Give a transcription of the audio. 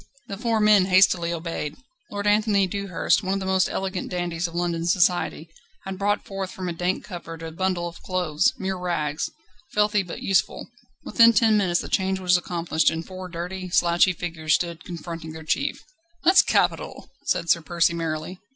The four men hastily obeyed. Lord Anthony Dewhurst one of the most elegant dandies of London society had brought forth from a dank cupboard a bundle of clothes, mere rags, filthy but useful. Within ten minutes the change was accomplished, and four dirty, slouchy figures stood confronting their chief. "That's capital!" said Sir Percy merrily.